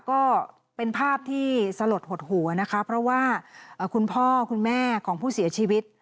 ก็เป็นภาพที่สลดหดหัวนะคะเพราะว่าคุณพ่อคุณแม่ของผู้เสียชีวิต